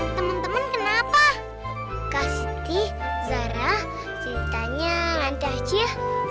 teman teman kenapa kasih zara ceritanya nanti aja